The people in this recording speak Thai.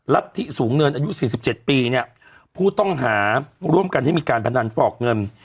รัฐธิสูงเนินอายุ๔๗ปีเนี่ยผู้ต้องหาร่วมกันให้มีการพนันฟอกเงิน